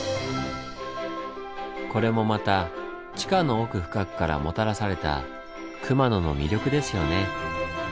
これもまた地下の奥深くからもたらされた熊野の魅力ですよね。